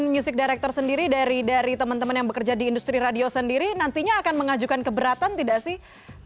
dan music director sendiri dari teman teman yang bekerja di industri radio sendiri nantinya akan mengajukan keberatan tidak sih